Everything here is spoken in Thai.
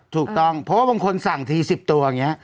ถูกต้องเพราะว่าบางคนสั่งที๑๐ตัวอย่างนี้